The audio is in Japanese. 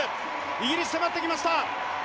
イギリス、迫ってきました。